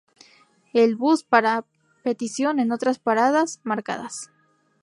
El bus para a petición en otras paradas marcadas.